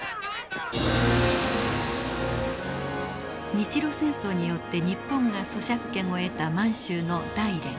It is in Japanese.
日露戦争によって日本が租借権を得た満州の大連。